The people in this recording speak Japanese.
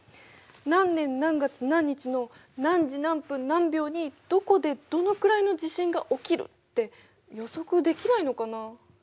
「何年何月何日の何時何分何秒にどこでどのくらいの地震が起きる」って予測できないのかな。